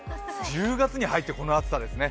１０月に入ってこの暑さですね。